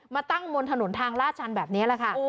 มาตั้งบนถนนทางลาดชันแบบนี้แหละค่ะ